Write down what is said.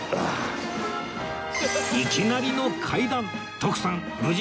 いきなりの階段